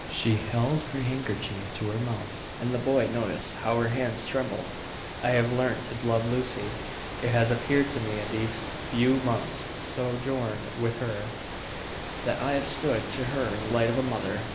She held her handkerchief to her mouth, and the boy noticed how her hands trembled. "I have learnt to love Lucy. It has appeared to me in these few months' sojourn with her, that I have stood to her in light of a mother.